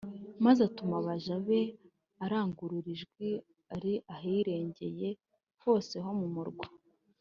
maze atuma abaja be, arangurura ijwi ari aharengeye hose ho mu murwa,